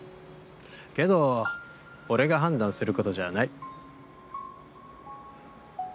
けど俺が判断することじゃない。